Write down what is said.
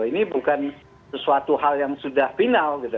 ini bukan sesuatu hal yang sudah final gitu